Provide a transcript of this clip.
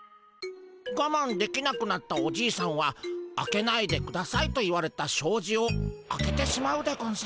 ガマンできなくなったおじいさんは「開けないでください」と言われたしょうじを開けてしまうでゴンス。